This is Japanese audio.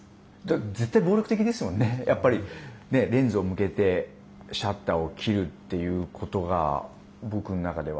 絶対暴力的ですもんね、やっぱりレンズを向けてシャッターを切るっていうことが僕の中では。